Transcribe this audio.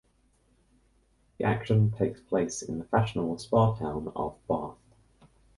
The action takes place in the fashionable spa town of Bath.